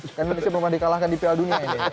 indonesia belum pernah di kalahkan di piala dunia ini